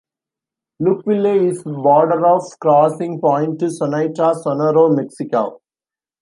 Lukeville is a border crossing point to Sonoyta, Sonora, Mexico.